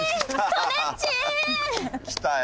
来たよ。